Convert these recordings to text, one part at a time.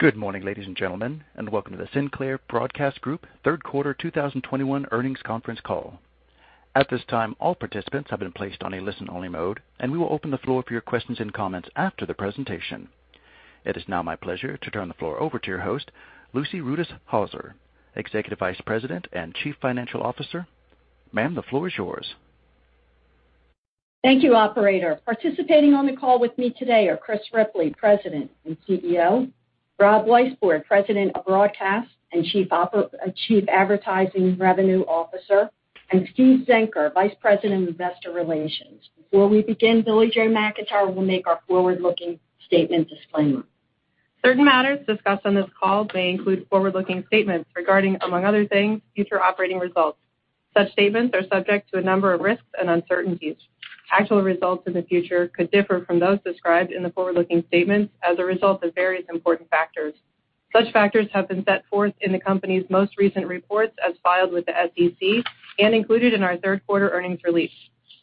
Good morning, ladies and gentlemen, and welcome to the Sinclair Broadcast Group third quarter 2021 earnings conference call. At this time, all participants have been placed on a listen-only mode, and we will open the floor for your questions and comments after the presentation. It is now my pleasure to turn the floor over to your host, Lucy Rutishauser, Executive Vice President and Chief Financial Officer. Ma'am, the floor is yours. Thank you, operator. Participating on the call with me today are Chris Ripley, President and CEO, Rob Weisbord, President of Broadcast and Chief Advertising Revenue Officer, and Steve Zenker, Vice President, Investor Relations. Before we begin, Billie-Jo McIntire will make our forward-looking statement disclaimer. Certain matters discussed on this call may include forward-looking statements regarding, among other things, future operating results. Such statements are subject to a number of risks and uncertainties. Actual results in the future could differ from those described in the forward-looking statements as a result of various important factors. Such factors have been set forth in the company's most recent reports as filed with the SEC and included in our third quarter earnings release.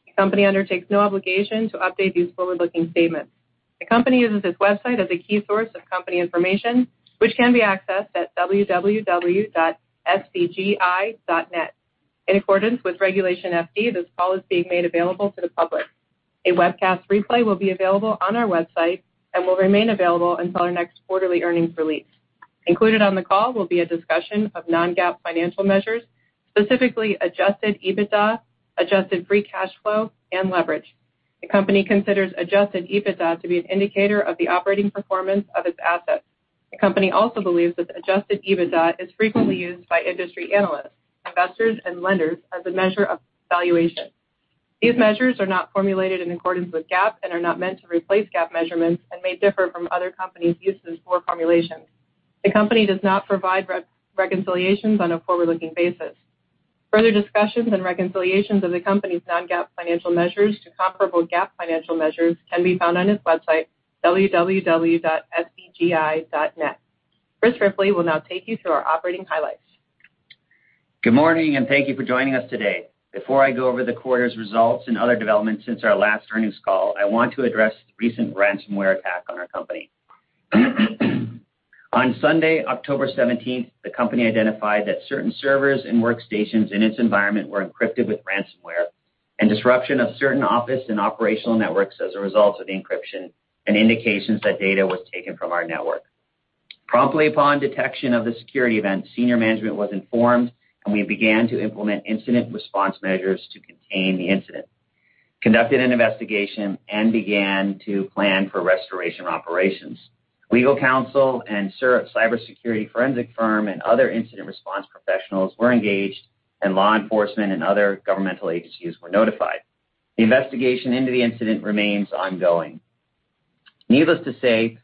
The company undertakes no obligation to update these forward-looking statements. The company uses its website as a key source of company information, which can be accessed at www.sbgi.net. In accordance with Regulation FD, this call is being made available to the public. A webcast replay will be available on our website and will remain available until our next quarterly earnings release. Included on the call will be a discussion of non-GAAP financial measures, specifically adjusted EBITDA, adjusted free cash flow, and leverage. The company considers adjusted EBITDA to be an indicator of the operating performance of its assets. The company also believes that adjusted EBITDA is frequently used by industry analysts, investors, and lenders as a measure of valuation. These measures are not formulated in accordance with GAAP and are not meant to replace GAAP measurements and may differ from other companies' uses or formulations. The company does not provide reconciliations on a forward-looking basis. Further discussions and reconciliations of the company's non-GAAP financial measures to comparable GAAP financial measures can be found on its website, www.sbgi.net. Chris Ripley will now take you through our operating highlights. Good morning, and thank you for joining us today. Before I go over the quarter's results and other developments since our last earnings call, I want to address the recent ransomware attack on our company. On Sunday, October 17, the company identified that certain servers and workstations in its environment were encrypted with ransomware and disruption of certain office and operational networks as a result of the encryption and indications that data was taken from our network. Promptly upon detection of the security event, senior management was informed, and we began to implement incident response measures to contain the incident, conducted an investigation, and began to plan for restoration operations. Legal counsel and cybersecurity forensic firm and other incident response professionals were engaged, and law enforcement and other governmental agencies were notified. The investigation into the incident remains ongoing. Needless to say,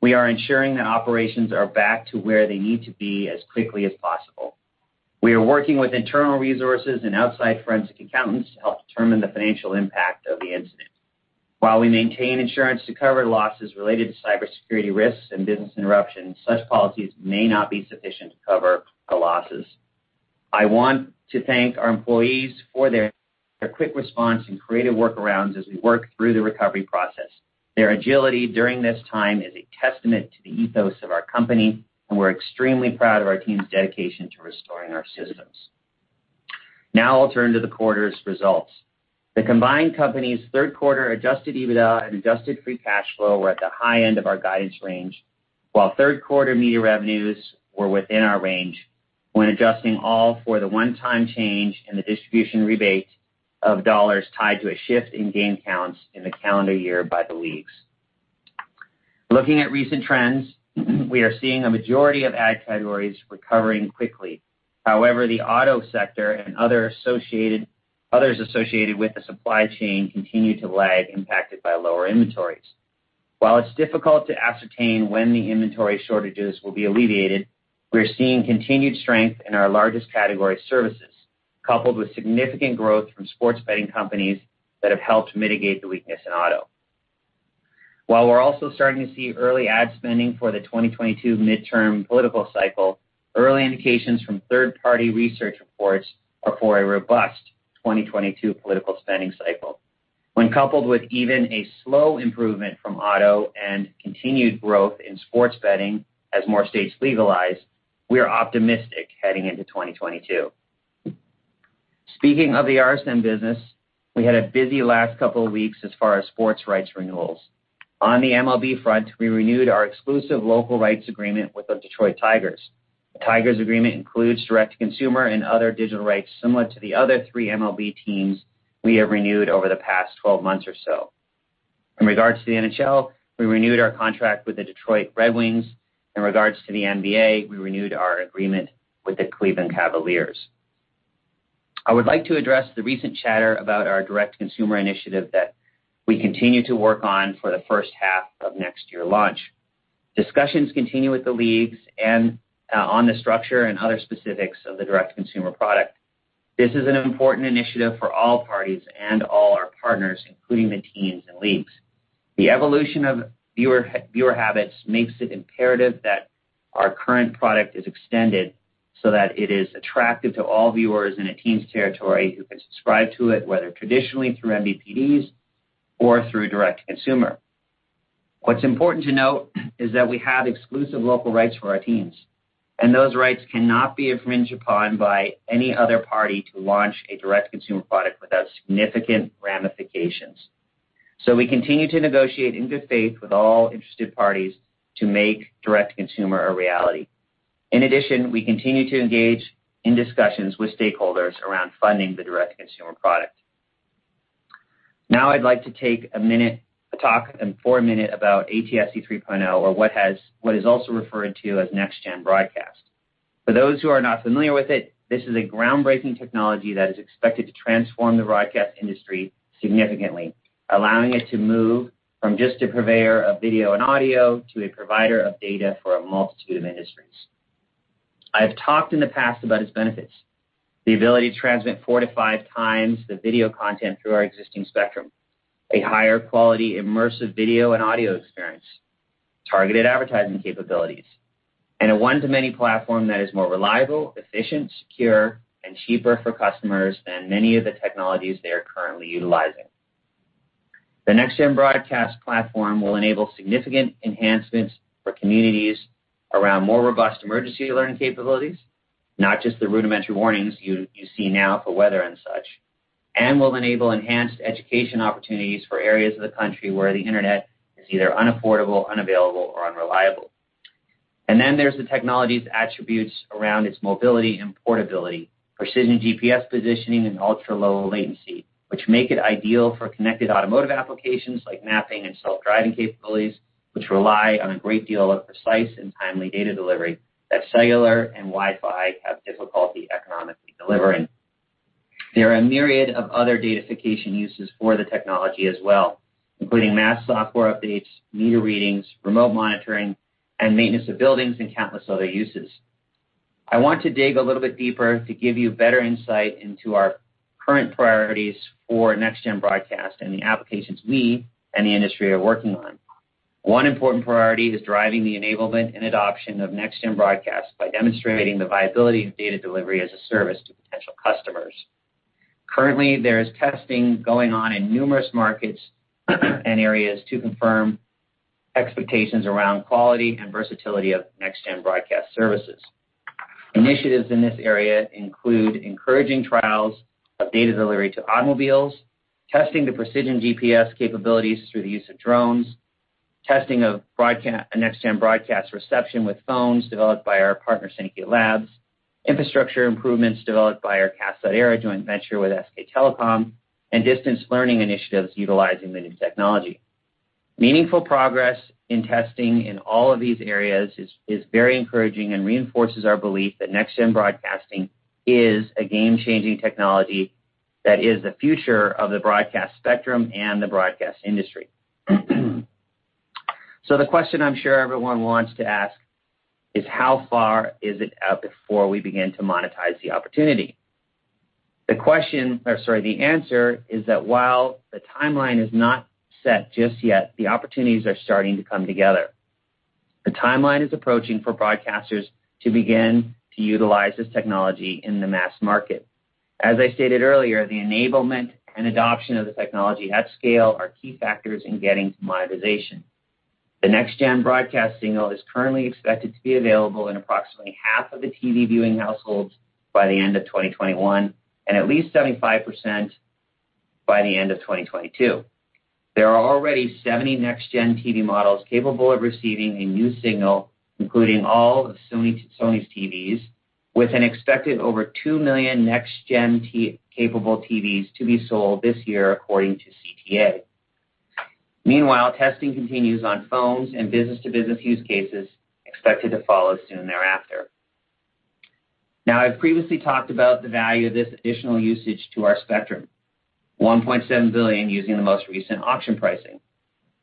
we are ensuring that operations are back to where they need to be as quickly as possible. We are working with internal resources and outside forensic accountants to help determine the financial impact of the incident. While we maintain insurance to cover losses related to cybersecurity risks and business interruptions, such policies may not be sufficient to cover the losses. I want to thank our employees for their quick response and creative workarounds as we work through the recovery process. Their agility during this time is a testament to the ethos of our company, and we're extremely proud of our team's dedication to restoring our systems. Now I'll turn to the quarter's results. The combined company's third quarter adjusted EBITDA and adjusted free cash flow were at the high end of our guidance range, while third quarter media revenues were within our range when adjusting all for the one-time change in the distribution rebate of dollars tied to a shift in game counts in the calendar year by the leagues. Looking at recent trends, we are seeing a majority of ad categories recovering quickly. However, the auto sector and other associated with the supply chain continue to lag, impacted by lower inventories. While it's difficult to ascertain when the inventory shortages will be alleviated, we're seeing continued strength in our largest category services, coupled with significant growth from sports betting companies that have helped mitigate the weakness in auto. While we're also starting to see early ad spending for the 2022 midterm political cycle, early indications from third-party research reports are for a robust 2022 political spending cycle. When coupled with even a slow improvement from auto and continued growth in sports betting as more states legalize, we are optimistic heading into 2022. Speaking of the RSN business, we had a busy last couple of weeks as far as sports rights renewals. On the MLB front, we renewed our exclusive local rights agreement with the Detroit Tigers. The Tigers agreement includes direct-to-consumer and other digital rights similar to the other three MLB teams we have renewed over the past 12 months or so. In regards to the NHL, we renewed our contract with the Detroit Red Wings. In regards to the NBA, we renewed our agreement with the Cleveland Cavaliers. I would like to address the recent chatter about our direct consumer initiative that we continue to work on for the first half of next year launch. Discussions continue with the leagues and on the structure and other specifics of the direct consumer product. This is an important initiative for all parties and all our partners, including the teams and leagues. The evolution of viewer habits makes it imperative that our current product is extended so that it is attractive to all viewers in a team's territory who can subscribe to it, whether traditionally through MVPDs or through direct consumer. What's important to note is that we have exclusive local rights for our teams, and those rights cannot be infringed upon by any other party to launch a direct-to-consumer product without significant ramifications. We continue to negotiate in good faith with all interested parties to make direct consumer a reality. In addition, we continue to engage in discussions with stakeholders around funding the direct consumer product. Now I'd like to take a minute to talk for a minute about ATSC 3.0, or what is also referred to as NextGen TV. For those who are not familiar with it, this is a groundbreaking technology that is expected to transform the broadcast industry significantly, allowing it to move from just a purveyor of video and audio to a provider of data for a multitude of industries. I've talked in the past about its benefits, the ability to transmit 4x-5x the video content through our existing spectrum, a higher quality immersive video and audio experience, targeted advertising capabilities, and a one-to-many platform that is more reliable, efficient, secure, and cheaper for customers than many of the technologies they are currently utilizing. The NextGen Broadcast platform will enable significant enhancements for communities around more robust emergency alert capabilities, not just the rudimentary warnings you see now for weather and such, and will enable enhanced education opportunities for areas of the country where the internet is either unaffordable, unavailable or unreliable. There's the technology's attributes around its mobility and portability, precision GPS positioning and ultra-low latency, which make it ideal for connected automotive applications like mapping and self-driving capabilities, which rely on a great deal of precise and timely data delivery that cellular and Wi-Fi have difficulty economically delivering. There are a myriad of other datification uses for the technology as well, including mass software updates, meter readings, remote monitoring, and maintenance of buildings and countless other uses. I want to dig a little bit deeper to give you better insight into our current priorities for NextGen Broadcast and the applications we and the industry are working on. One important priority is driving the enablement and adoption of NextGen Broadcast by demonstrating the viability of data delivery as a service to potential customers. Currently, there is testing going on in numerous markets and areas to confirm expectations around quality and versatility of NextGen Broadcast services. Initiatives in this area include encouraging trials of data delivery to automobiles, testing the precision GPS capabilities through the use of drones, testing of NextGen Broadcast reception with phones developed by our partner, Saankhya Labs, infrastructure improvements developed by our CAST.ERA joint venture with SK Telecom, and distance learning initiatives utilizing the new technology. Meaningful progress in testing in all of these areas is very encouraging and reinforces our belief that NextGen Broadcasting is a game-changing technology that is the future of the broadcast spectrum and the broadcast industry. The question I'm sure everyone wants to ask is how far is it out before we begin to monetize the opportunity? The answer is that while the timeline is not set just yet, the opportunities are starting to come together. The timeline is approaching for broadcasters to begin to utilize this technology in the mass market. As I stated earlier, the enablement and adoption of the technology at scale are key factors in getting to monetization. The NextGen Broadcast signal is currently expected to be available in approximately half of the TV viewing households by the end of 2021, and at least 75% by the end of 2022. There are already 70 NextGen TV models capable of receiving a new signal, including all of Sony's TVs, with an expected over 2 million NextGen TV-capable TVs to be sold this year, according to CTA. Meanwhile, testing continues on phones and business-to-business use cases expected to follow soon thereafter. Now, I've previously talked about the value of this additional usage to our spectrum, $1.7 billion using the most recent auction pricing.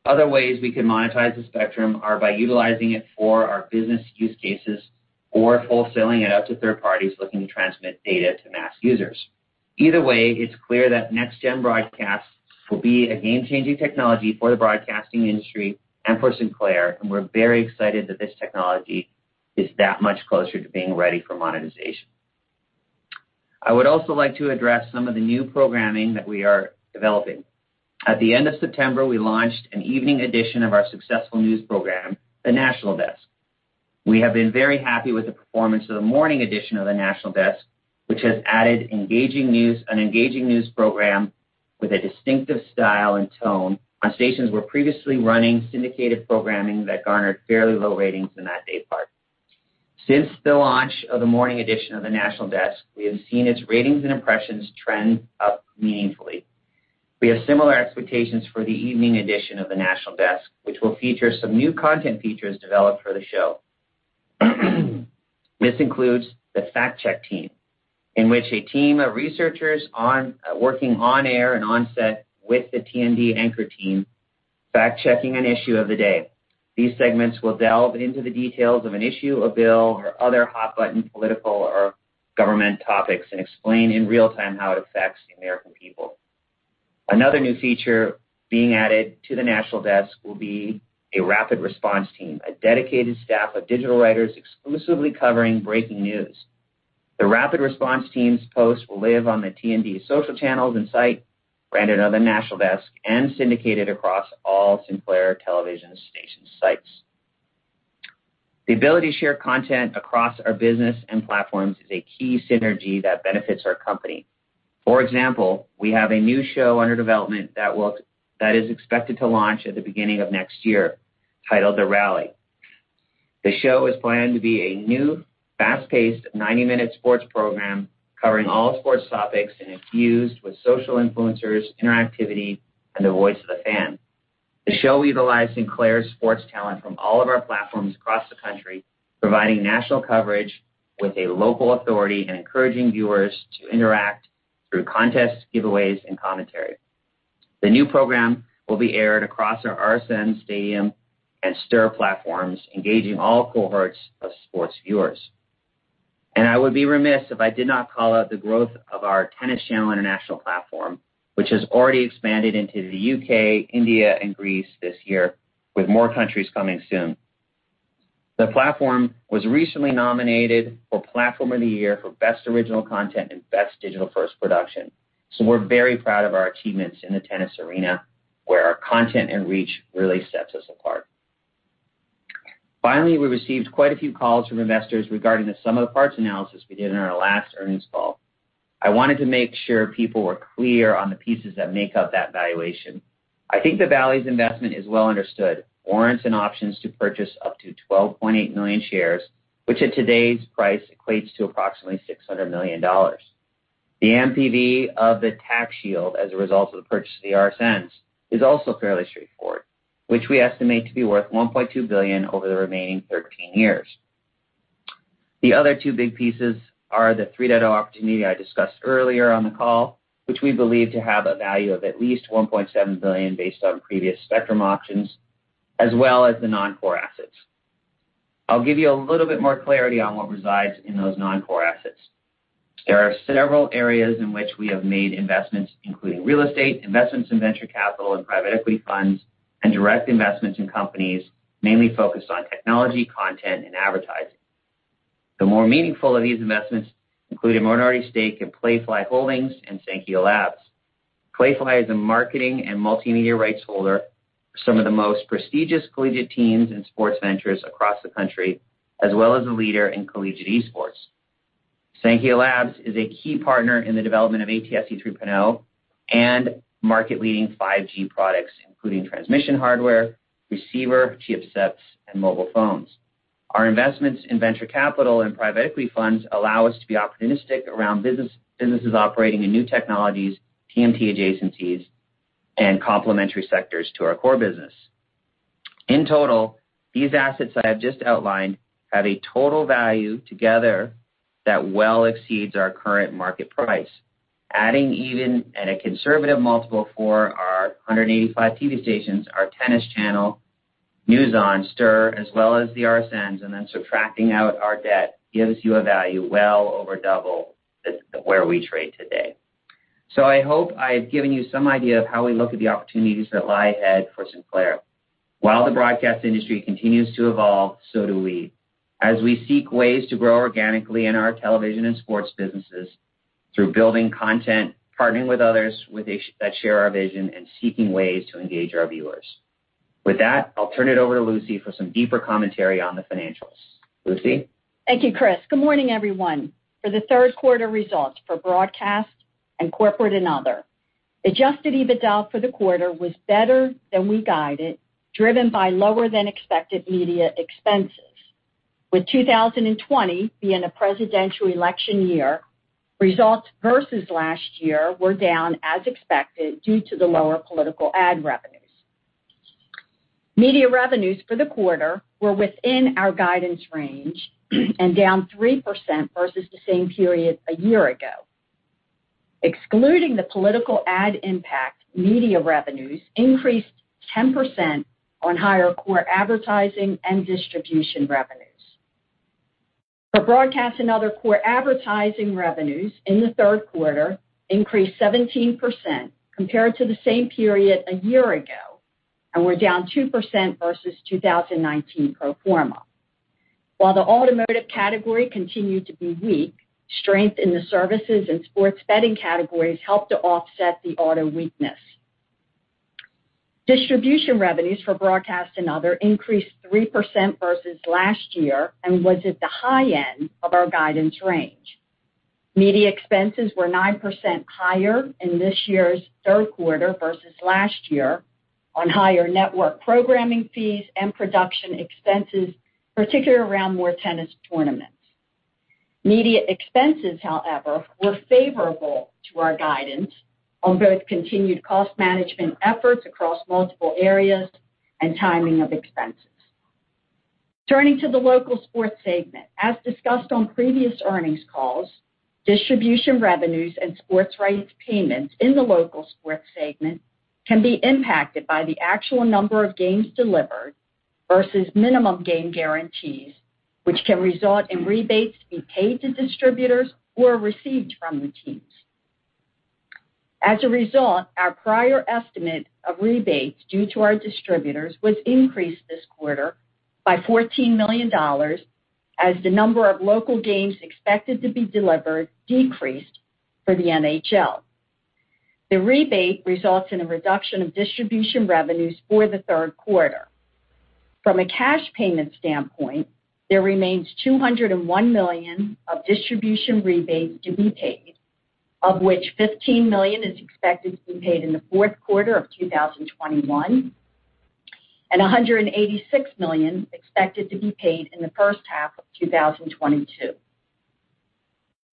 Other ways we could monetize the spectrum are by utilizing it for our business use cases or wholesaling it out to third parties looking to transmit data to mass users. Either way, it's clear that NextGen TV will be a game-changing technology for the broadcasting industry and for Sinclair, and we're very excited that this technology is that much closer to being ready for monetization. I would also like to address some of the new programming that we are developing. At the end of September, we launched an evening edition of our successful news program, The National Desk. We have been very happy with the performance of the morning edition of The National Desk, which has added an engaging news program with a distinctive style and tone on stations we're previously running syndicated programming that garnered fairly low ratings in that day part. Since the launch of the morning edition of The National Desk, we have seen its ratings and impressions trend up meaningfully. We have similar expectations for the evening edition of The National Desk, which will feature some new content features developed for the show. This includes the fact-check team, in which a team of researchers working on air and on set with the TND anchor team, fact-checking an issue of the day. These segments will delve into the details of an issue, a bill, or other hot-button political or government topics and explain in real-time how it affects the American people. Another new feature being added to The National Desk will be a rapid response team, a dedicated staff of digital writers exclusively covering breaking news. The rapid response team's posts will live on the TND social channels and site, branded on the National Desk and syndicated across all Sinclair television station sites. The ability to share content across our business and platforms is a key synergy that benefits our company. For example, we have a new show under development that is expected to launch at the beginning of next year titled The Rally. The show is planned to be a new fast-paced, 90-minute sports program covering all sports topics and infused with social influencers, interactivity, and the voice of the fan. The show utilizes Sinclair's sports talent from all of our platforms across the country, providing national coverage with a local authority and encouraging viewers to interact through contests, giveaways, and commentary. The new program will be aired across our RSN, Stadium, and STIRR platforms, engaging all cohorts of sports viewers. I would be remiss if I did not call out the growth of our Tennis Channel International platform, which has already expanded into the U.K., India, and Greece this year, with more countries coming soon. The platform was recently nominated for Platform of the Year for best original content and best digital-first production. We're very proud of our achievements in the tennis arena, where our content and reach really sets us apart. Finally, we received quite a few calls from investors regarding the sum of the parts analysis we did in our last earnings call. I wanted to make sure people were clear on the pieces that make up that valuation. I think the Bally's investment is well understood. Warrants and options to purchase up to 12.8 million shares, which at today's price equates to approximately $600 million. The NPV of the tax shield as a result of the purchase of the RSNs is also fairly straightforward, which we estimate to be worth $1.2 billion over the remaining 13 years. The other two big pieces are the ATSC 3.0 opportunity I discussed earlier on the call, which we believe to have a value of at least $1.7 billion based on previous spectrum auctions, as well as the non-core assets. I'll give you a little bit more clarity on what resides in those non-core assets. There are several areas in which we have made investments, including real estate, investments in venture capital and private equity funds, and direct investments in companies mainly focused on technology, content, and advertising. The more meaningful of these investments include a minority stake in Playfly Sports and Saankhya Labs. Playfly Sports is a marketing and multimedia rights holder for some of the most prestigious collegiate teams and sports ventures across the country, as well as a leader in collegiate esports. Saankhya Labs is a key partner in the development of ATSC 3.0 and market-leading 5G products, including transmission hardware, receiver, chipsets, and mobile phones. Our investments in venture capital and private equity funds allow us to be opportunistic around businesses operating in new technologies, TMT adjacencies, and complementary sectors to our core business. In total, these assets that I've just outlined have a total value together that well exceeds our current market price. Adding even at a conservative multiple for our 185 TV stations, our Tennis Channel, NewsON, STIRR, as well as the RSNs, and then subtracting out our debt gives you a value well over double than where we trade today. I hope I've given you some idea of how we look at the opportunities that lie ahead for Sinclair. While the broadcast industry continues to evolve, so do we, as we seek ways to grow organically in our television and sports businesses through building content, partnering with others with a vision that share our vision, and seeking ways to engage our viewers. With that, I'll turn it over to Lucy for some deeper commentary on the financials. Lucy? Thank you, Chris. Good morning, everyone. For the third quarter results for broadcast and corporate and other, adjusted EBITDA for the quarter was better than we guided, driven by lower-than-expected media expenses. With 2020 being a presidential election year, results versus last year were down as expected due to the lower political ad revenues. Media revenues for the quarter were within our guidance range and down 3% versus the same period a year ago. Excluding the political ad impact, media revenues increased 10% on higher core advertising and distribution revenues. For broadcast and other core advertising revenues in the third quarter increased 17% compared to the same period a year ago and were down 2% versus 2019 pro forma. While the automotive category continued to be weak, strength in the services and sports betting categories helped to offset the auto weakness. Distribution revenues for broadcast and other increased 3% versus last year and was at the high end of our guidance range. Media expenses were 9% higher in this year's third quarter versus last year on higher network programming fees and production expenses, particularly around more tennis tournaments. Media expenses, however, were favorable to our guidance on both continued cost management efforts across multiple areas and timing of expenses. Turning to the local sports segment. As discussed on previous earnings calls, distribution revenues and sports rights payments in the local sports segment can be impacted by the actual number of games delivered versus minimum game guarantees, which can result in rebates being paid to distributors or received from the teams. As a result, our prior estimate of rebates due to our distributors was increased this quarter by $14 million, as the number of local games expected to be delivered decreased for the NHL. The rebate results in a reduction of distribution revenues for the third quarter. From a cash payment standpoint, there remains $201 million of distribution rebates to be paid, of which $15 million is expected to be paid in the fourth quarter of 2021, and $186 million expected to be paid in the first half of 2022.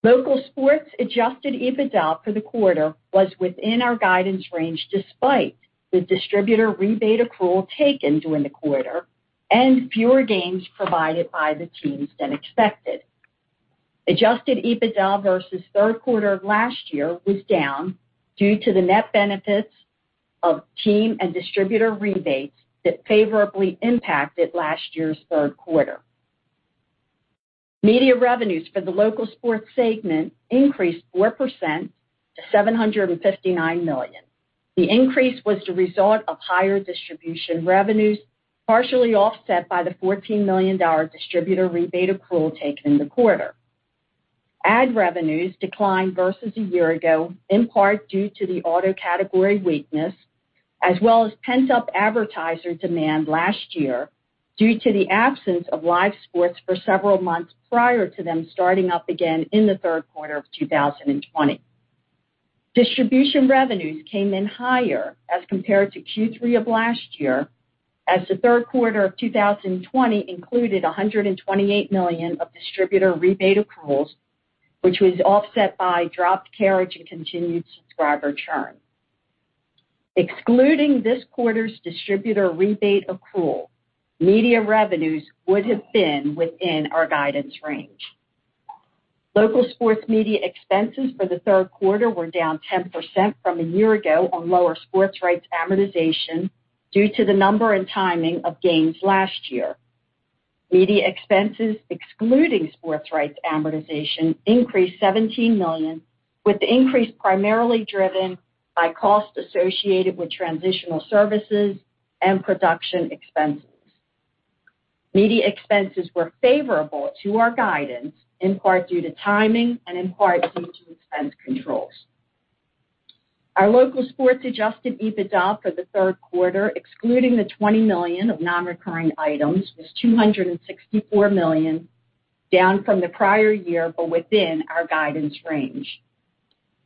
Local sports adjusted EBITDA for the quarter was within our guidance range, despite the distributor rebate accrual taken during the quarter and fewer games provided by the teams than expected. Adjusted EBITDA versus third quarter of last year was down due to the net benefits of team and distributor rebates that favorably impacted last year's third quarter. Media revenues for the local sports segment increased 4% to $759 million. The increase was the result of higher distribution revenues, partially offset by the $14 million distributor rebate accrual taken in the quarter. Ad revenues declined versus a year ago, in part due to the auto category weakness, as well as pent-up advertiser demand last year due to the absence of live sports for several months prior to them starting up again in the third quarter of 2020. Distribution revenues came in higher as compared to Q3 of last year, as the third quarter of 2020 included $128 million of distributor rebate accruals, which was offset by dropped carriage and continued subscriber churn. Excluding this quarter's distributor rebate accrual, media revenues would have been within our guidance range. Local sports media expenses for the third quarter were down 10% from a year ago on lower sports rights amortization due to the number and timing of games last year. Media expenses, excluding sports rights amortization, increased $17 million, with the increase primarily driven by costs associated with transitional services and production expenses. Media expenses were favorable to our guidance, in part due to timing and in part due to expense controls. Our local sports adjusted EBITDA for the third quarter, excluding the $20 million of non-recurring items, was $264 million, down from the prior year, but within our guidance range.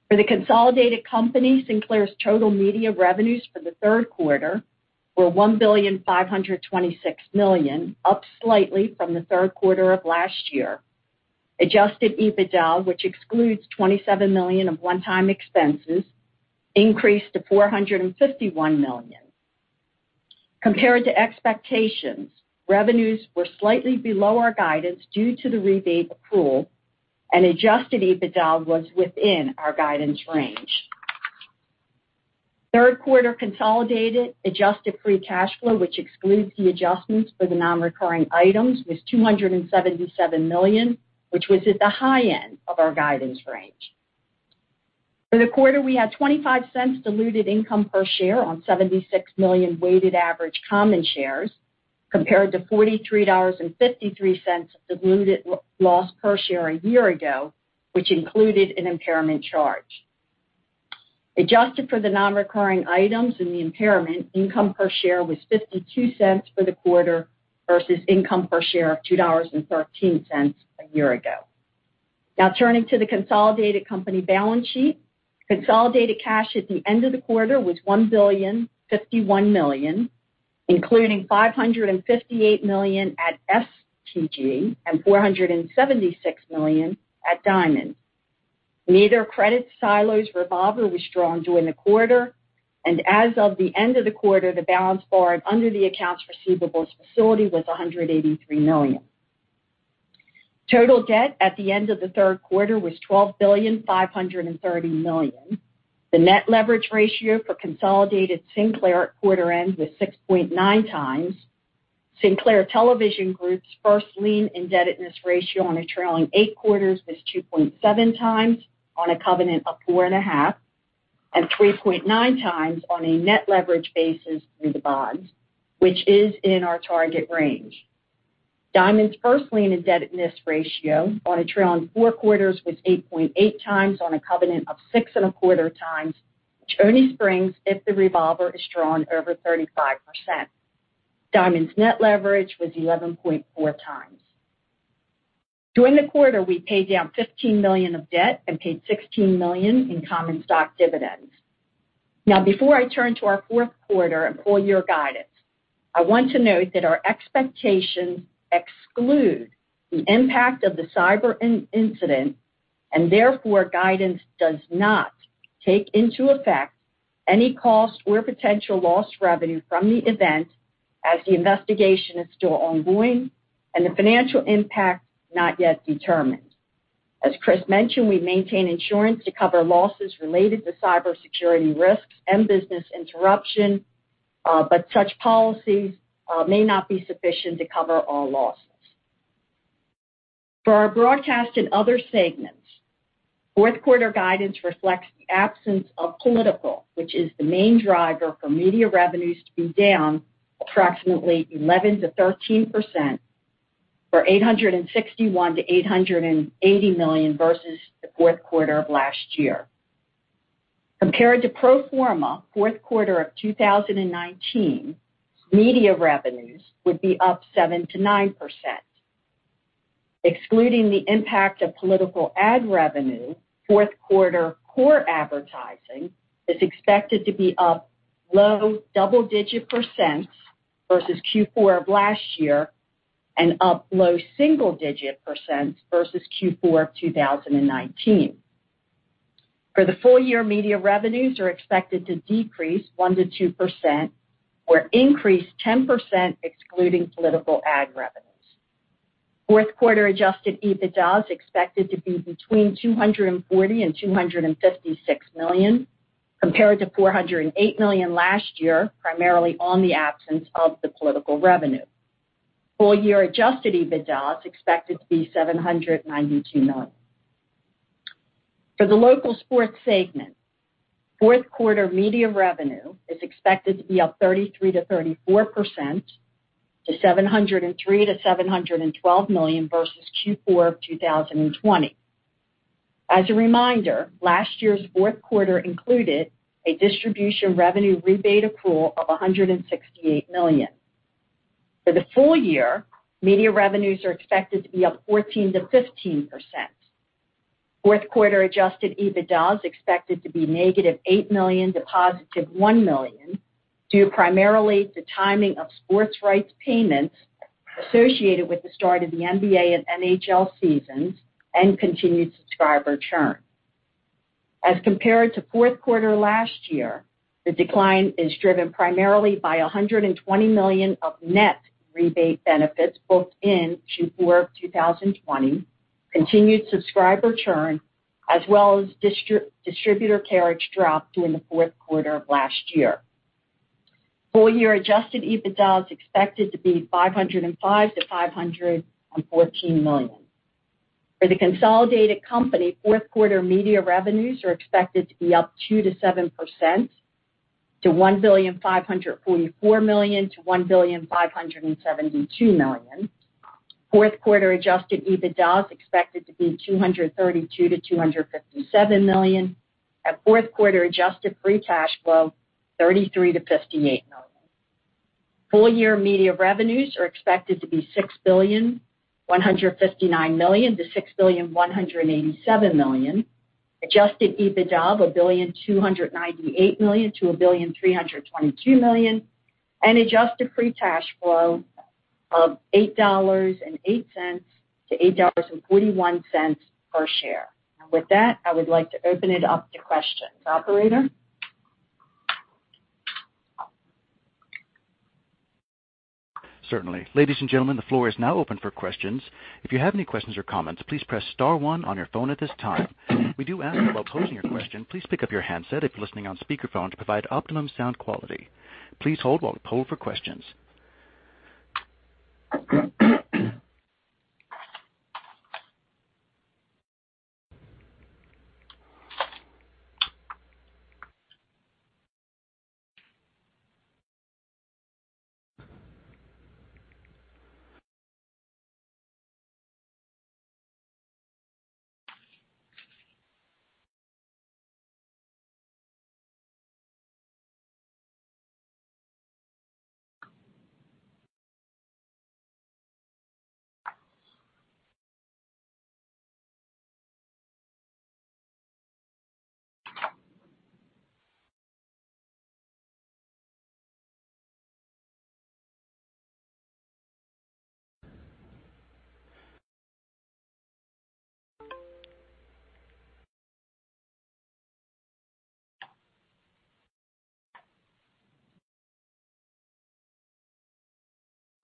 For the consolidated company, Sinclair's total media revenues for the third quarter were $1.526 billion, up slightly from the third quarter of last year. Adjusted EBITDA, which excludes $27 million of one-time expenses, increased to $451 million. Compared to expectations, revenues were slightly below our guidance due to the rebate accrual and adjusted EBITDA was within our guidance range. Third quarter consolidated adjusted free cash flow, which excludes the adjustments for the non-recurring items, was $277 million, which was at the high end of our guidance range. For the quarter, we had $0.25 diluted income per share on 76 million weighted average common shares, compared to $43.53 diluted loss per share a year ago, which included an impairment charge. Adjusted for the non-recurring items and the impairment, income per share was $0.52 for the quarter versus income per share of $2.13 a year ago. Now turning to the consolidated company balance sheet. Consolidated cash at the end of the quarter was $1.051 billion, including $558 million at STG and $476 million at Diamond. Neither credit silos' revolver was drawn during the quarter, and as of the end of the quarter, the balance borrowed under the accounts receivable facility was $183 million. Total debt at the end of the third quarter was $12.53 billion. The net leverage ratio for consolidated Sinclair at quarter end was 6.9x. Sinclair Television Group's first lien indebtedness ratio on a trailing 8 quarters was 2.7x on a covenant of 4.5x, and 3.9x on a net leverage basis through the bonds, which is in our target range. Diamond's first lien indebtedness ratio on a trailing four quarters was 8.8x on a covenant of 6.25x, which only springs if the revolver is drawn over 35%. Diamond's net leverage was 11.4x. During the quarter, we paid down $15 million of debt and paid $16 million in common stock dividends. Now, before I turn to our fourth quarter and full year guidance, I want to note that our expectations exclude the impact of the cyber incident, and therefore, guidance does not take into effect any cost or potential lost revenue from the event as the investigation is still ongoing and the financial impact not yet determined. As Chris mentioned, we maintain insurance to cover losses related to cybersecurity risks and business interruption, but such policies may not be sufficient to cover all losses. For our broadcast and other segments, fourth quarter guidance reflects the absence of political, which is the main driver for media revenues to be down approximately 11%-13% for $861 million-$880 million versus the fourth quarter of last year. Compared to pro forma fourth quarter of 2019, media revenues would be up 7%-9%. Excluding the impact of political ad revenue, fourth quarter core advertising is expected to be up low double-digit percent versus Q4 of last year and up low single-digit % versus Q4 of 2019. For the full year, media revenues are expected to decrease 1%-2% or increase 10% excluding political ad revenues. Fourth quarter adjusted EBITDA is expected to be between $240 million and $256 million, compared to $408 million last year, primarily on the absence of the political revenue. Full year adjusted EBITDA is expected to be $792 million. For the local sports segment, fourth quarter media revenue is expected to be up 33%-34% to $703 million-$712 million versus Q4 of 2020. As a reminder, last year's fourth quarter included a distribution revenue rebate accrual of $168 million. For the full year, media revenues are expected to be up 14%-15%. Fourth quarter adjusted EBITDA is expected to be negative $8 million to positive $1 million due primarily to timing of sports rights payments associated with the start of the NBA and NHL seasons and continued subscriber churn. As compared to fourth quarter last year, the decline is driven primarily by $120 million of net rebate benefits booked in Q4 of 2020, continued subscriber churn, as well as distributor carriage drop during the fourth quarter of last year. Full year adjusted EBITDA is expected to be $505 million-$514 million. For the consolidated company, fourth quarter media revenues are expected to be up 2%-7% to $1.544 billion-$1.572 billion. Fourth quarter adjusted EBITDA is expected to be $232 million-$257 million, and fourth quarter adjusted free cash flow, $33 million-$58 million. Full year media revenues are expected to be $6.159 billion-$6.187 billion. Adjusted EBITDA of $1.298 billion-$1.322 billion, and adjusted free cash flow of $8.08-$8.41 per share. With that, I would like to open it up to questions. Operator? Certainly. Ladies and gentlemen, the floor is now open for questions. If you have any questions or comments, please press star-one on your phone at this time. We do ask that while posing your question, please pick up your handset if you're listening on speakerphone to provide optimum sound quality. Please hold while we poll for questions.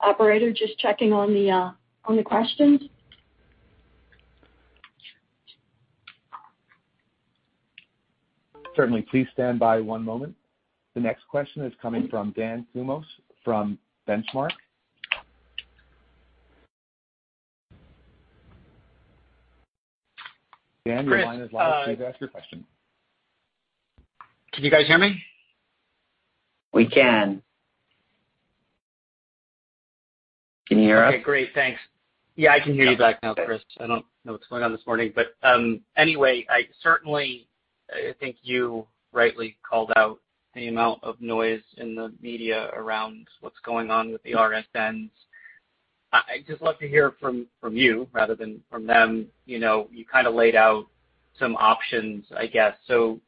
Operator, just checking on the questions. Certainly. Please stand by one moment. The next question is coming from Dan Kurnos from Benchmark. Dan, your line is live. Please go ask your question. Can you guys hear me? We can. Can you hear us? Okay, great. Thanks. Yeah, I can hear you guys now, Chris. I don't know what's going on this morning, but anyway, I certainly think you rightly called out the amount of noise in the media around what's going on with the RSNs. I'd just love to hear from you rather than from them. You know, you kind of laid out some options, I guess. To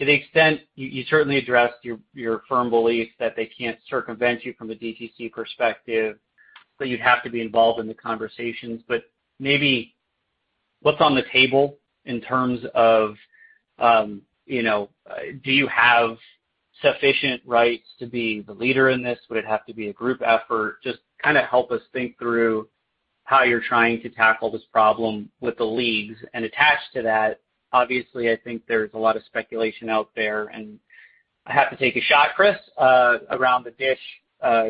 the extent you certainly addressed your firm belief that they can't circumvent you from a DTC perspective, but you'd have to be involved in the conversations. Maybe what's on the table in terms of you know, do you have sufficient rights to be the leader in this? Would it have to be a group effort? Just kind of help us think through how you're trying to tackle this problem with the leagues. Attached to that, obviously, I think there's a lot of speculation out there and I have to take a shot, Chris, around the DISH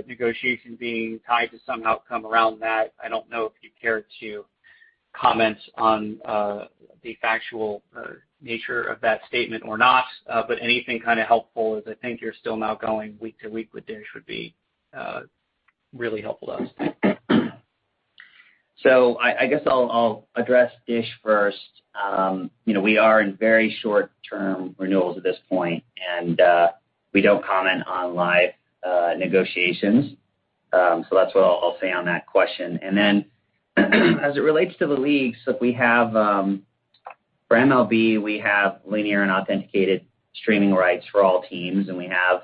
negotiation being tied to some outcome around that. I don't know if you care to comment on the factual nature of that statement or not. Anything kind of helpful, as I think you're still now going week to week with DISH, would be really helpful to us. I guess I'll address DISH first. You know, we are in very short-term renewals at this point, and we don't comment on live negotiations. That's what I'll say on that question. As it relates to the leagues, look, we have for MLB, we have linear and authenticated streaming rights for all teams, and we have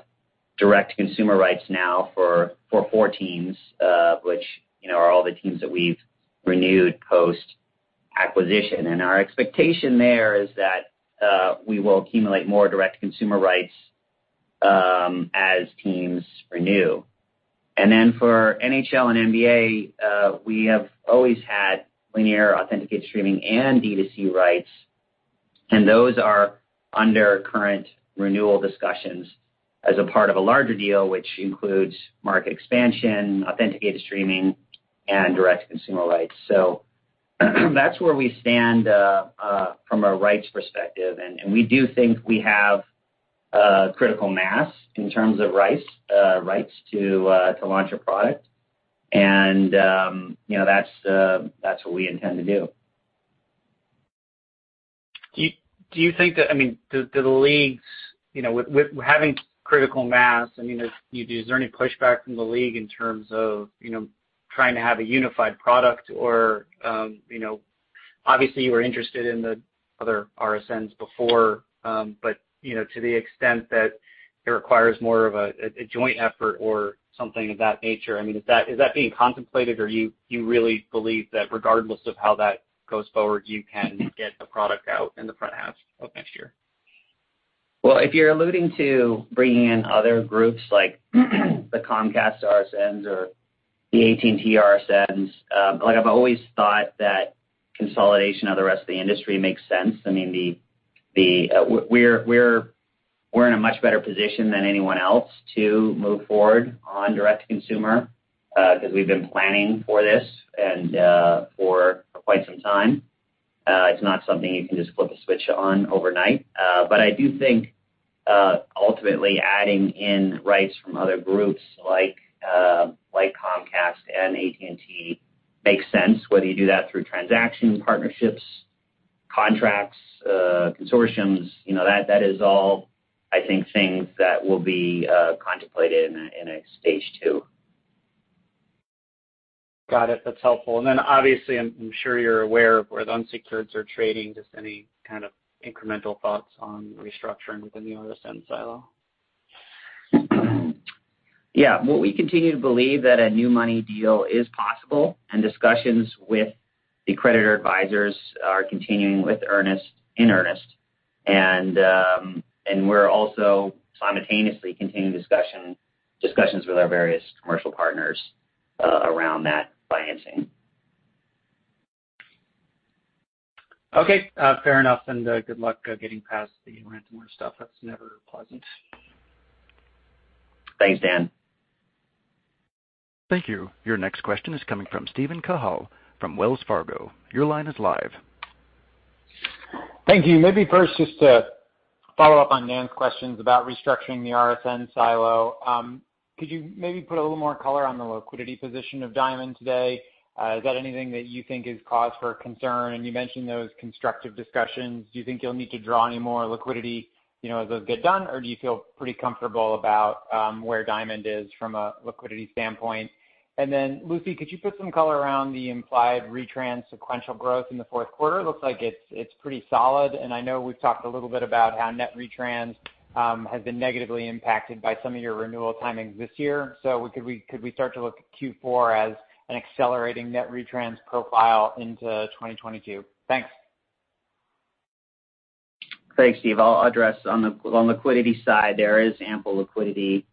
direct consumer rights now for four teams, which, you know, are all the teams that we've renewed post-acquisition. Our expectation there is that we will accumulate more direct consumer rights as teams renew. For NHL and NBA, we have always had linear authenticated streaming and D2C rights, and those are under current renewal discussions as a part of a larger deal, which includes market expansion, authenticated streaming, and direct consumer rights. That's where we stand from a rights perspective. We do think we have critical mass in terms of rights to launch a product. You know, that's what we intend to do. Do the leagues, you know, with having critical mass, I mean, is there any pushback from the league in terms of, you know, trying to have a unified product or, you know, obviously, you were interested in the other RSNs before, but, you know, to the extent that it requires more of a joint effort or something of that nature, I mean, is that being contemplated or you really believe that regardless of how that goes forward, you can get a product out in the front half of next year? Well, if you're alluding to bringing in other groups like the Comcast RSNs or the AT&T RSNs, like I've always thought that consolidation of the rest of the industry makes sense. I mean, we're in a much better position than anyone else to move forward on direct-to-consumer, because we've been planning for this and for quite some time. It's not something you can just flip a switch on overnight. I do think ultimately adding in rights from other groups like Comcast and AT&T makes sense, whether you do that through transactions, partnerships, contracts, consortiums, you know, that is all, I think, things that will be contemplated in a stage two. Got it. That's helpful. Obviously, I'm sure you're aware of where the unsecureds are trading. Just any kind of incremental thoughts on restructuring within the RSN silo. Well, we continue to believe that a new money deal is possible, and discussions with the creditor advisors are continuing in earnest. We're also simultaneously continuing discussions with our various commercial partners around that financing. Okay. Fair enough, and good luck getting past the ransomware stuff. That's never pleasant. Thanks, Dan. Thank you. Your next question is coming from Steven Cahall from Wells Fargo. Your line is live. Thank you. Maybe first just to follow up on Dan's questions about restructuring the RSN silo. Could you maybe put a little more color on the liquidity position of Diamond today? Is that anything that you think is cause for concern? You mentioned those constructive discussions. Do you think you'll need to draw any more liquidity, you know, as those get done, or do you feel pretty comfortable about where Diamond is from a liquidity standpoint? Then, Lucy, could you put some color around the implied retrans sequential growth in the fourth quarter? It looks like it's pretty solid. I know we've talked a little bit about how net retrans has been negatively impacted by some of your renewal timings this year. Could we start to look at Q4 as an accelerating net retrans profile into 2022? Thanks. Thanks, Steve. I'll address. On the liquidity side, there is ample liquidity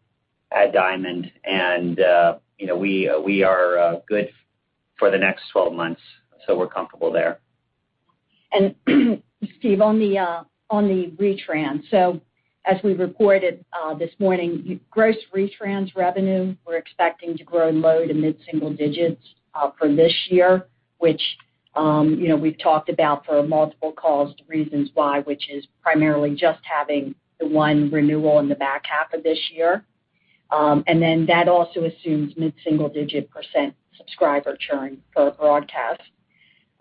at Diamond and we are good for the next 12 months, so we're comfortable there. Steve, on the retrans. As we reported this morning, gross retrans revenue, we're expecting to grow low- to mid-single-digit for this year, which you know, we've talked about for multiple calls the reasons why, which is primarily just having the one renewal in the back half of this year. That also assumes mid-single-digit percent subscriber churn for broadcast.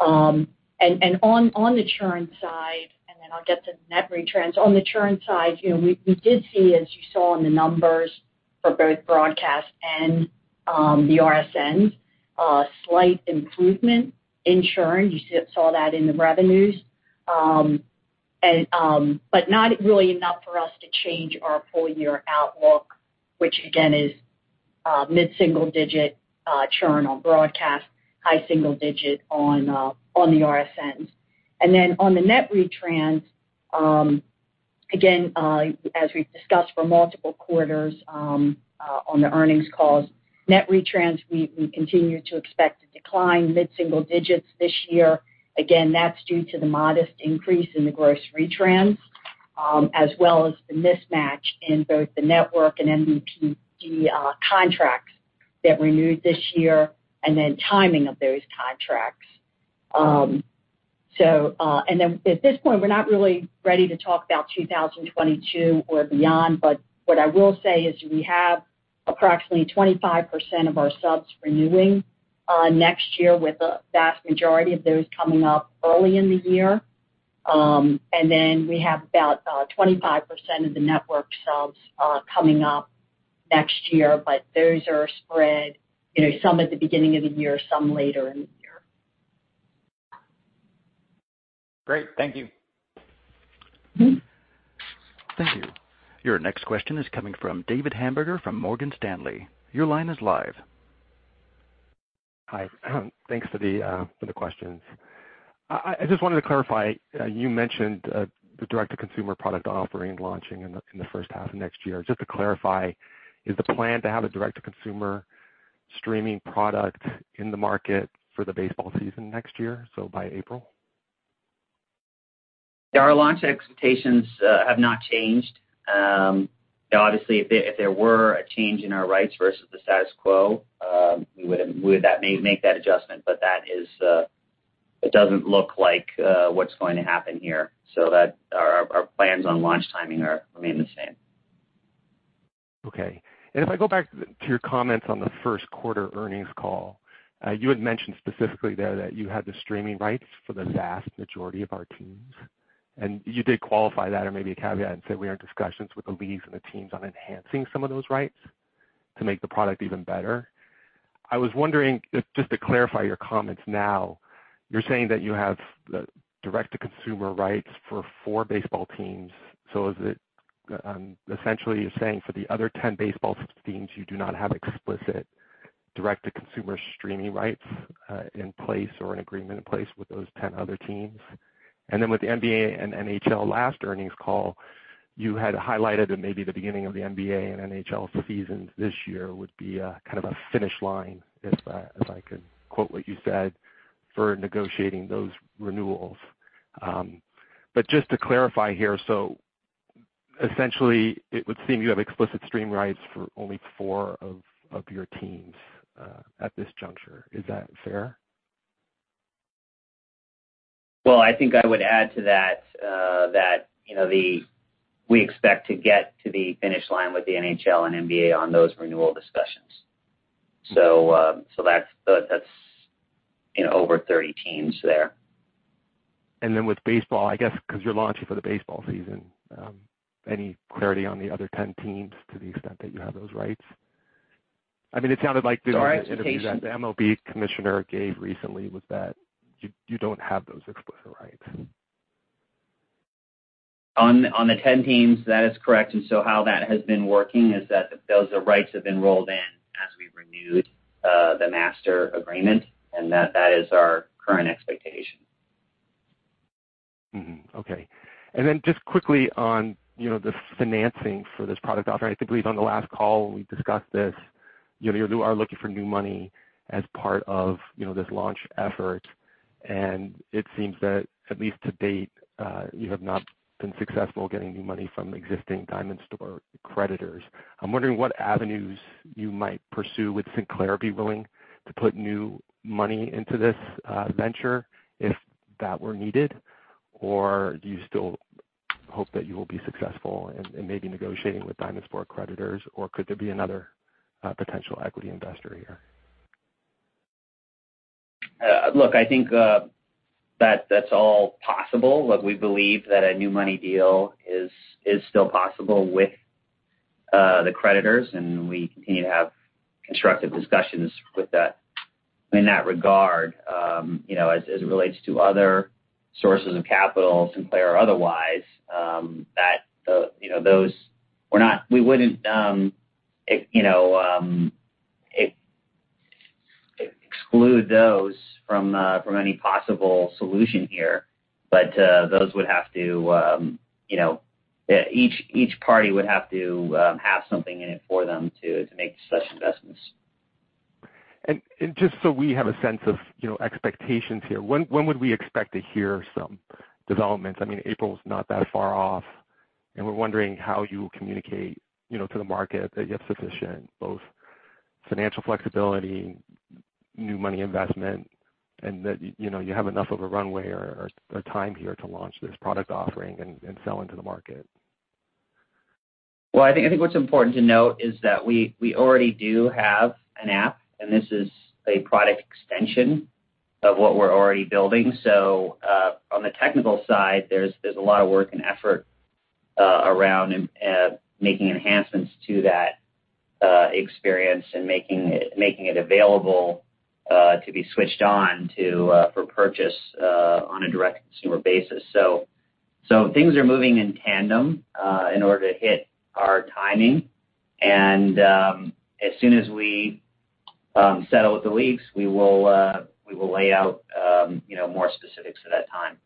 On the churn side, then I'll get to net retrans. On the churn side, you know, we did see, as you saw in the numbers for both broadcast and the RSN, slight improvement in churn. You saw that in the revenues. Not really enough for us to change our full-year outlook, which again is mid-single-digit churn on broadcast, high single-digit on the RSN. Then on the net retrans, again, as we've discussed for multiple quarters on the earnings calls, net retrans we continue to expect a decline mid-single digits this year. Again, that's due to the modest increase in the gross retrans as well as the mismatch in both the network and MVPD contracts that renewed this year, and then timing of those contracts. At this point, we're not really ready to talk about 2022 or beyond, but what I will say is we have approximately 25% of our subs renewing next year, with the vast majority of those coming up early in the year. We have about 25% of the network subs coming up next year, but those are spread, you know, some at the beginning of the year, some later in the year. Great. Thank you. Thank you. Your next question is coming from David Hamburger from Morgan Stanley. Your line is live. Hi. Thanks for the questions. I just wanted to clarify, you mentioned the direct-to-consumer product offering launching in the first half of next year. Just to clarify, is the plan to have a direct-to-consumer streaming product in the market for the baseball season next year, so by April? Yeah, our launch expectations have not changed. Obviously, if there were a change in our rights versus the status quo, we would make that adjustment, but it doesn't look like what's going to happen here, so our plans on launch timing remain the same. Okay. If I go back to your comments on the first quarter earnings call, you had mentioned specifically there that you had the streaming rights for the vast majority of our teams, and you did qualify that or maybe a caveat and said we are in discussions with the leagues and the teams on enhancing some of those rights to make the product even better. I was wondering if, just to clarify your comments now, you're saying that you have the direct-to-consumer rights for four baseball teams, so is it essentially you're saying for the other 10 baseball teams, you do not have explicit direct-to-consumer streaming rights in place or an agreement in place with those 10 other teams? With the NBA and NHL last earnings call, you had highlighted that maybe the beginning of the NBA and NHL seasons this year would be a kind of a finish line, if I could quote what you said, for negotiating those renewals. Just to clarify here, essentially, it would seem you have explicit stream rights for only four of your teams at this juncture. Is that fair? Well, I think I would add to that, you know, we expect to get to the finish line with the NHL and NBA on those renewal discussions. That's, you know, over 30 teams there. With baseball, I guess, because you're launching for the baseball season, any clarity on the other 10 teams to the extent that you have those rights? I mean, it sounded like the interview that the MLB commissioner gave recently was that you don't have those explicit rights. On the 10 teams, that is correct. How that has been working is that those, the rights have been rolled in as we renewed the master agreement, and that is our current expectation. Okay. Just quickly on, you know, the financing for this product offering. I believe on the last call when we discussed this, you know, you are looking for new money as part of, you know, this launch effort. It seems that at least to date, you have not been successful getting new money from existing Diamond Sports creditors. I'm wondering what avenues you might pursue. Would Sinclair be willing to put new money into this venture if that were needed? Do you still hope that you will be successful in maybe negotiating with Diamond Sports creditors, or could there be another potential equity investor here? Look, I think that that's all possible. Look, we believe that a new money deal is still possible with the creditors, and we continue to have constructive discussions in that regard. You know, as it relates to other sources of capital, Sinclair or otherwise, that you know those. We wouldn't exclude those from any possible solution here, but each party would have to have something in it for them to make such investments. Just so we have a sense of, you know, expectations here, when would we expect to hear some developments? I mean, April's not that far off, and we're wondering how you communicate, you know, to the market that you have sufficient both financial flexibility, new money investment, and that, you know, you have enough of a runway or time here to launch this product offering and sell into the market. Well, I think what's important to note is that we already do have an app, and this is a product extension of what we're already building. On the technical side, there's a lot of work and effort around making enhancements to that experience and making it available to be switched on for purchase on a direct-to-consumer basis. Things are moving in tandem in order to hit our timing. As soon as we settle with the leagues, we will lay out you know, more specifics at that time.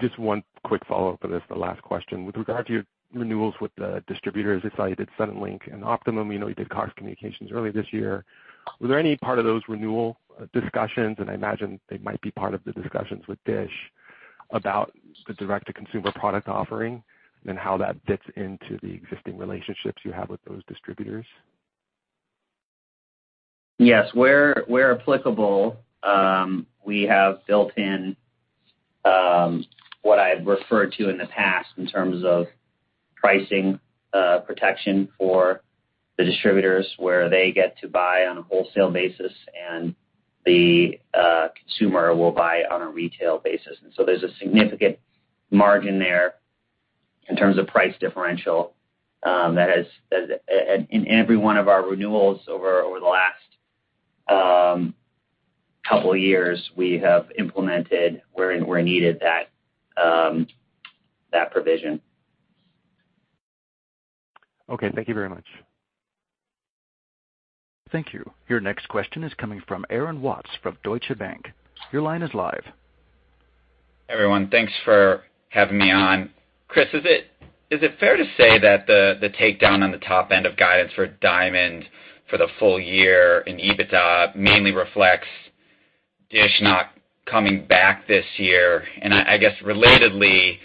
Just one quick follow-up, and this is the last question. With regard to your renewals with the distributors, I saw you did Suddenlink and Optimum. You know, you did Cox Communications earlier this year. Was there any part of those renewal discussions, and I imagine they might be part of the discussions with DISH about the direct-to-consumer product offering and how that fits into the existing relationships you have with those distributors. Yes. Where applicable, we have built in what I've referred to in the past in terms of pricing protection for the distributors where they get to buy on a wholesale basis and the consumer will buy on a retail basis. There's a significant margin there in terms of price differential. Every one of our renewals over the last couple years we have implemented where needed that provision. Okay. Thank you very much. Thank you. Your next question is coming from Aaron Watts from Deutsche Bank. Your line is live. Everyone, thanks for having me on. Chris, is it fair to say that the takedown on the top end of guidance for Diamond for the full year in EBITDA mainly reflects DISH not coming back this year? I guess relatedly,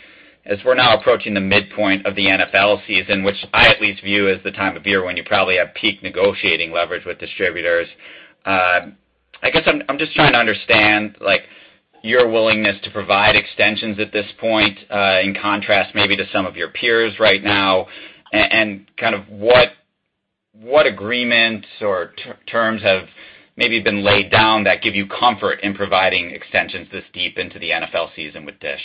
as we're now approaching the midpoint of the NFL season, which I at least view as the time of year when you probably have peak negotiating leverage with distributors, I guess I'm just trying to understand, like, your willingness to provide extensions at this point, in contrast maybe to some of your peers right now and kind of what agreements or terms have maybe been laid down that give you comfort in providing extensions this deep into the NFL season with DISH.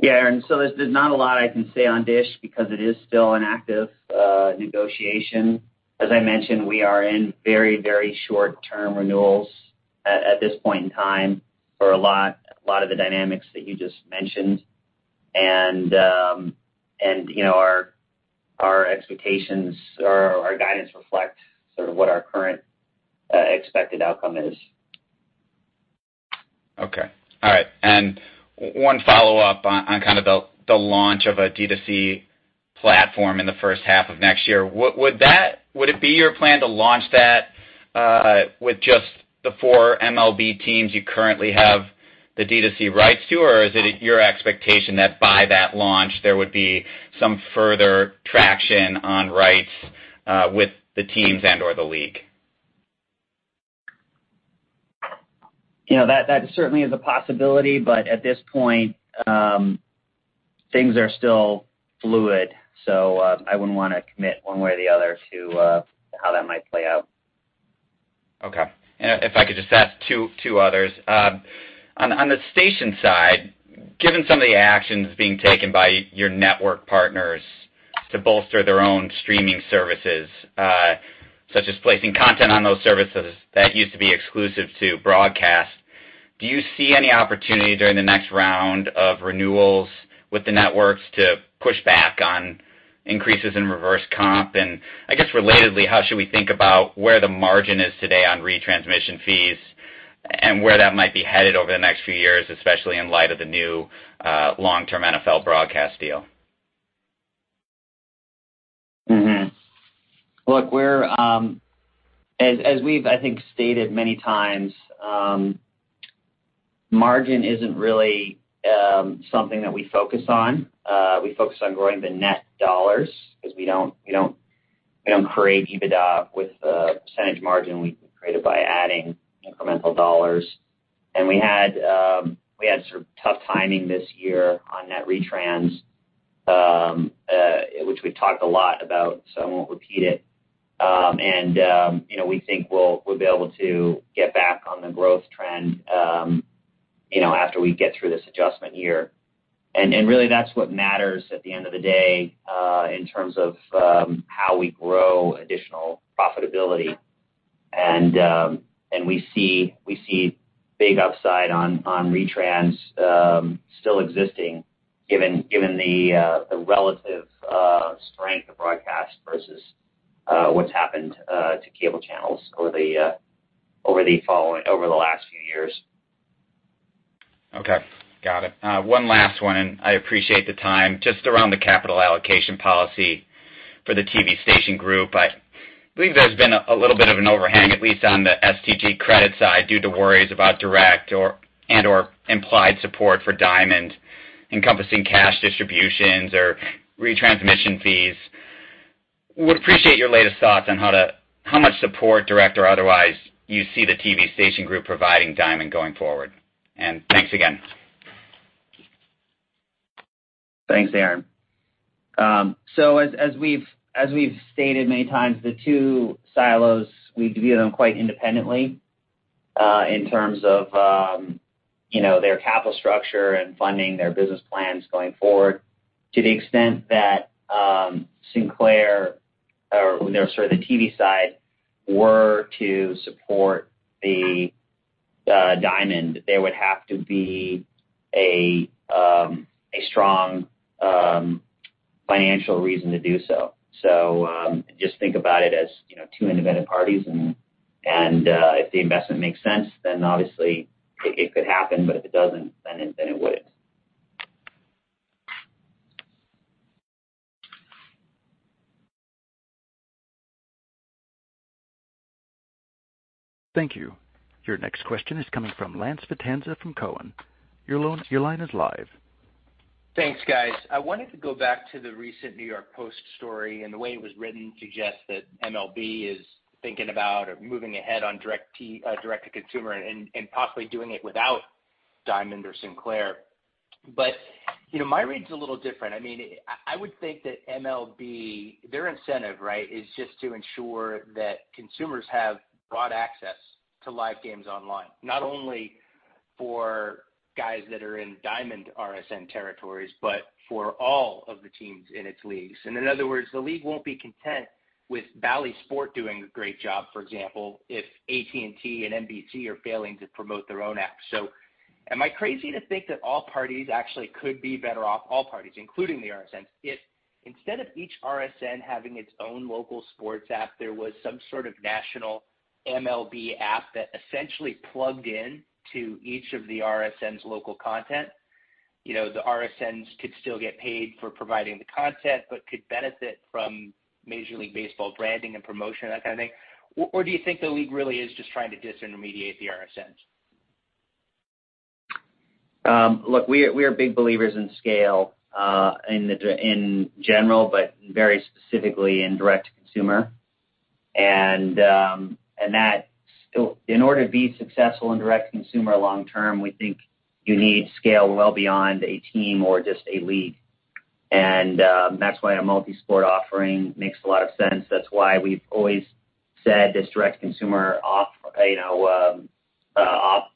Yeah, Aaron. So there's not a lot I can say on DISH because it is still an active negotiation. As I mentioned, we are in very very short-term renewals at this point in time for a lot of the dynamics that you just mentioned. You know, our expectations or our guidance reflect sort of what our current expected outcome is. Okay. All right. One follow-up on kind of the launch of a D2C platform in the first half of next year. Would it be your plan to launch that with just the four MLB teams you currently have the D2C rights to or is it your expectation that by that launch there would be some further traction on rights with the teams and/or the league? You know, that certainly is a possibility, but at this point, things are still fluid. I wouldn't want to commit one way or the other to how that might play out. Okay. If I could just ask two others. On the station side, given some of the actions being taken by your network partners to bolster their own streaming services, such as placing content on those services that used to be exclusive to broadcast, do you see any opportunity during the next round of renewals with the networks to push back on increases in reverse comp? I guess relatedly, how should we think about where the margin is today on retransmission fees and where that might be headed over the next few years, especially in light of the new long-term NFL broadcast deal? Look, as we've stated many times, margin isn't really something that we focus on. We focus on growing the net dollars because we don't create EBITDA with a percentage margin. We create it by adding incremental dollars. We had sort of tough timing this year on net retrans, which we've talked a lot about, so I won't repeat it. You know, we think we'll be able to get back on the growth trend, you know, after we get through this adjustment year. Really, that's what matters at the end of the day, in terms of how we grow additional profitability. We see big upside on retrans still existing given the relative strength of broadcast versus what's happened to cable channels over the last few years. Okay. Got it. One last one, and I appreciate the time. Just around the capital allocation policy for the TV station group. I believe there's been a little bit of an overhang, at least on the STG credit side, due to worries about direct or and/or implied support for Diamond encompassing cash distributions or retransmission fees. Would appreciate your latest thoughts on how much support, direct or otherwise, you see the TV station group providing Diamond going forward. Thanks again. Thanks, Aaron. As we've stated many times, the two silos, we view them quite independently in terms of you know, their capital structure and funding their business plans going forward. To the extent that Sinclair or, you know, sorry, the TV side were to support the Diamond, there would have to be a strong financial reason to do so. Just think about it as you know, two independent parties and if the investment makes sense, then obviously it could happen, but if it doesn't, then it wouldn't. Thank you. Your next question is coming from Lance Vitanza from Cowen. Your line is live. Thanks, guys. I wanted to go back to the recent New York Post story, and the way it was written suggests that MLB is thinking about or moving ahead on direct-to-consumer and possibly doing it without Diamond or Sinclair. You know, my read's a little different. I mean, I would think that MLB, their incentive, right, is just to ensure that consumers have broad access to live games online, not only for guys that are in Diamond RSN territories, but for all of the teams in its leagues. In other words, the league won't be content with Bally Sports doing a great job, for example, if AT&T and NBC are failing to promote their own app. Am I crazy to think that all parties actually could be better off, all parties, including the RSNs, if instead of each RSN having its own local sports app, there was some sort of national MLB app that essentially plugged in to each of the RSN's local content? You know, the RSNs could still get paid for providing the content but could benefit from Major League Baseball branding and promotion, that kind of thing or do you think the league really is just trying to disintermediate the RSNs? Look, we are big believers in scale in general, but very specifically in direct-to-consumer. That still, in order to be successful in direct-to-consumer long-term, we think you need scale well beyond a team or just a league. That's why a multi-sport offering makes a lot of sense. That's why we've always said this direct-to-consumer, you know,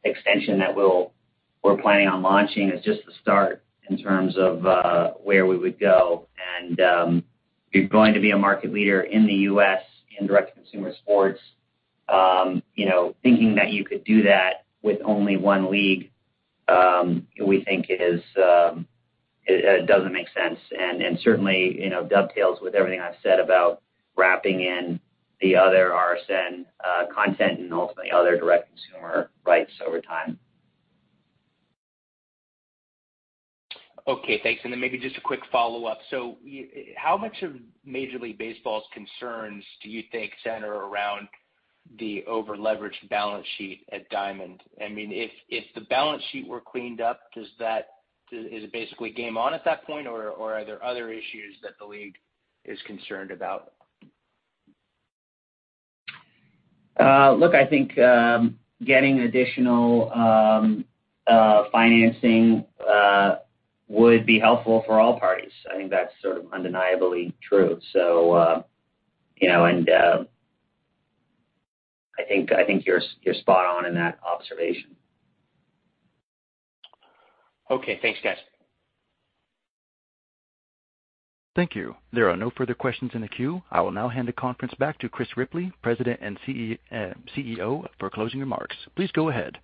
extension that we're planning on launching is just the start in terms of where we would go. If you're going to be a market leader in the U.S. in direct-to-consumer sports, you know, thinking that you could do that with only one league, we think is doesn't make sense and certainly, you know, dovetails with everything I've said about wrapping in the other RSN content and ultimately other direct-to-consumer rights over time. Okay, thanks. Maybe just a quick follow-up. How much of Major League Baseball's concerns do you think center around the over-leveraged balance sheet at Diamond? I mean, if the balance sheet were cleaned up, does that, is it basically game on at that point, or are there other issues that the league is concerned about? Look, I think getting additional financing would be helpful for all parties. I think that's sort of undeniably true. You know, I think you're spot on in that observation. Okay. Thanks, guys. Thank you. There are no further questions in the queue. I will now hand the conference back to Chris Ripley, President and CEO, for closing remarks. Please go ahead.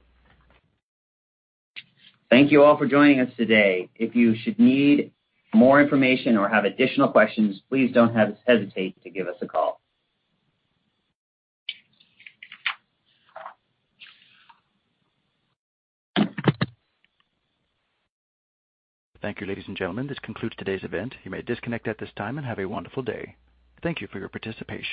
Thank you all for joining us today. If you should need more information or have additional questions, please don't hesitate to give us a call. Thank you, ladies and gentlemen. This concludes today's event. You may disconnect at this time, and have a wonderful day. Thank you for your participation.